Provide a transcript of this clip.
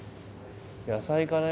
野菜かな？